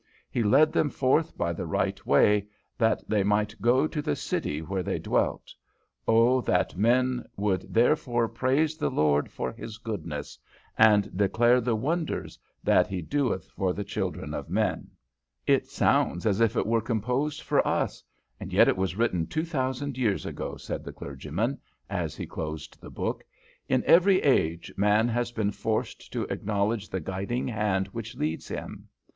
He led them forth by the right way, that they might go to the city where they dwelt. Oh that men would therefore praise the Lord for His goodness, and declare the wonders that He doeth for the children of men.' [Illustration: He delivered them from their distress p273] "It sounds as if it were composed for us, and yet it was written two thousand years ago," said the clergyman, as he closed the book. "In every age man has been forced to acknowledge the guiding hand which leads him.